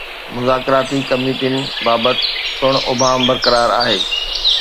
مذاڪراتي ڪميٽين بابت پڻ ابهام برقرار آهي.